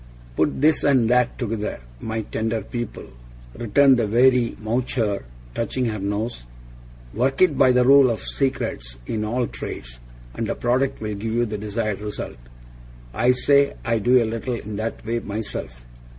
'Put this and that together, my tender pupil,' returned the wary Mowcher, touching her nose, 'work it by the rule of Secrets in all trades, and the product will give you the desired result. I say I do a little in that way myself.